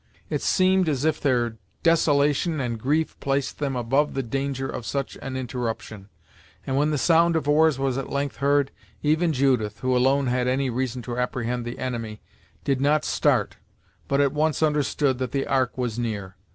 It seemed as if their desolation and grief placed them above the danger of such an interruption, and when the sound of oars was at length heard, even Judith, who alone had any reason to apprehend the enemy, did not start, but at once understood that the Ark was near.